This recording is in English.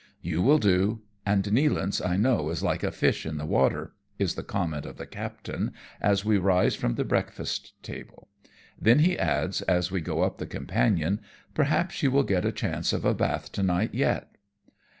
" Yon will do ; and Nealance, I know, is like a fish in the water," is the comment of the captain^ as we rise from the breakfast table ; then he adds, as we go up the companion, " perhaps you will get a chance of a bath to night yet."